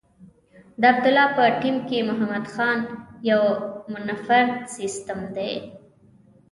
د عبدالله په ټیم کې محمد خان یو منفرد سیسټم دی.